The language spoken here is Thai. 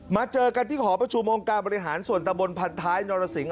มาเจอกันที่ขอประชูโมงการมหาส่วนตระบลผัดท้ายนรสิงค์